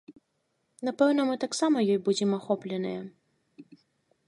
Напэўна, мы таксама ёй будзем ахопленыя.